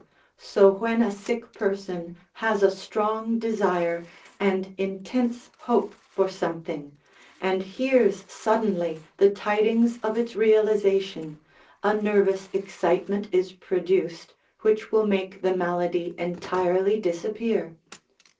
So when a sick person has a strong desire and intense hope for something, and hears suddenly the tidings of its realisation, a nervous excitement is produced, which will make the malady entirely dis appear.